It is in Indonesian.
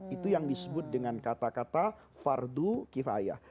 itu yang disebut dengan kata kata fardu kifayah